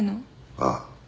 ああ。